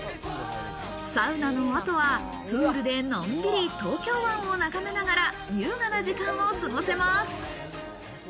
サウナの後は、プールでのんびり、東京湾を眺めながら優雅な時間を過ごせます。